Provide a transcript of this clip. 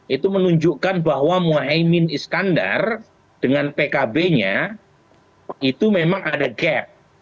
itu menunjukkan bahwa muhaymin iskandar dengan pkb nya itu memang ada gap